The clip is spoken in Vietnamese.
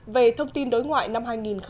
về thông tin đối ngoại năm hai nghìn một mươi bảy